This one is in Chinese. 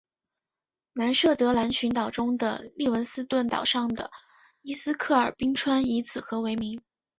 南设得兰群岛中的利文斯顿岛上的伊斯克尔冰川以此河为名。